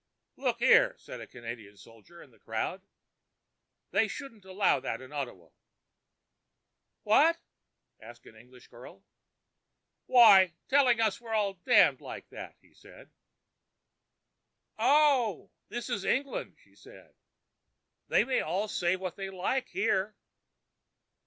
"Look here," said a Canadian soldier in the crowd, "we shouldn't allow that in Ottawa." "What?" asked an English girl. "Why, telling us we're all damned like that," he said. "Oh, this is England," she said. "They may all say what they like here."